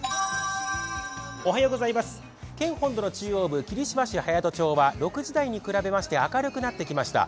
県本土の中央部、霧島市隼人町は６時台に比べまして明るくなってきました。